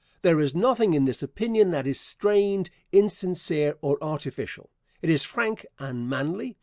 There is nothing in this opinion that is strained, insincere, or artificial. It is frank and manly.